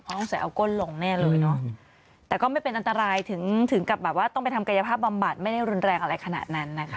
ต้องใส่เอาก้นลงแน่เลยเนอะแต่ก็ไม่เป็นอันตรายถึงถึงกับแบบว่าต้องไปทำกายภาพบำบัดไม่ได้รุนแรงอะไรขนาดนั้นนะคะ